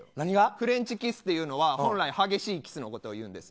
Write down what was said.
フレンチキスっていうのは本来激しいキスのことをいうんです。